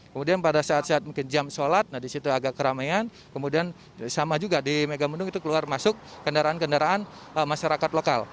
kemudian pada saat saat mungkin jam sholat nah disitu agak keramaian kemudian sama juga di megamendung itu keluar masuk kendaraan kendaraan masyarakat lokal